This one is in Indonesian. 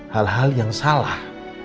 hal hal yang salah